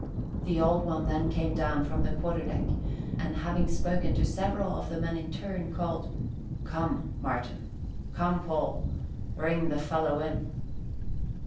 The Old One then came down from the quarter deck, and, having spoken to several of the men in turn, called, "Come, Martin; come, Paul, bring the fellow in."